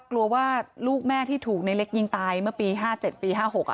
กลัวว่าลูกแม่ที่ถูกในเล็กยิงตายเมื่อปี๕๗ปี๕๖